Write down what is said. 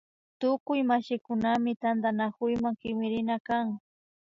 Tukuy mashikunami tantanakuyma kimirina kan